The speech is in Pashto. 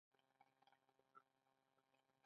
کله چې افغانستان کې ولسواکي وي رسنۍ آزادې وي.